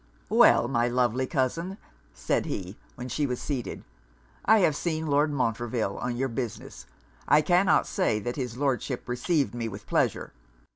'Well, my lovely cousin,' said he, when she was seated, 'I have seen Lord Montreville on your business. I cannot say that his Lordship received me with pleasure.